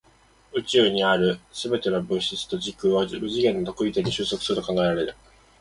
宇宙にある全ての物質と時空は無次元の特異点に収束すると考えられる。